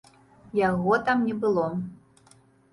Яго там не было.